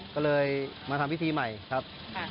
ก็เลยมาทำพิธีใหม่ครับ